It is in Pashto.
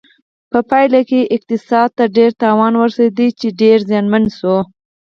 په پایله کې اقتصاد ته ډیر تاوان ورسېده چې ډېر زیانمن شو.